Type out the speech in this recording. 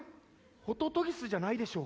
ホトトギスじゃないでしょ。